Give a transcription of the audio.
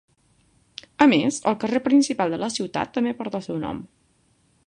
A més, el carrer principal de la ciutat també porta el seu nom.